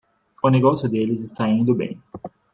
O negócio deles está indo bem